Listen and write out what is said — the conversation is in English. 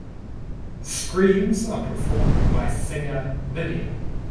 Screams are performed by singer Vivienne.